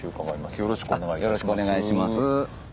よろしくお願いします。